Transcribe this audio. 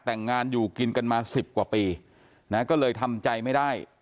แต่งงานอยู่กินกันมาสิบกว่าปีนะก็เลยทำใจไม่ได้